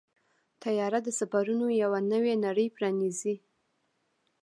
طیاره د سفرونو یو نوې نړۍ پرانیزي.